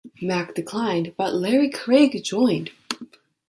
Mack declined, but Larry Craig joined.